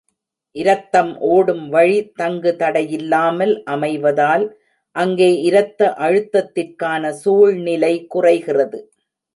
இரத்தம் ஒடும் வழி தங்கு தடையில்லாமல் அமைவதால், அங்கே இரத்த அழுத்தத்திற்கான சூழ்நிலை குறைகிறது.